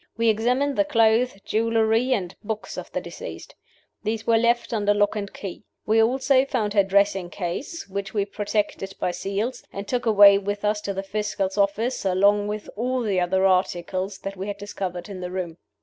We examined the clothes, jewelry, and books of the deceased. These we left under lock and key. We also found her dressing case, which we protected by seals, and took away with us to the Fiscal's office, along with all the other articles that we had discovered in the room.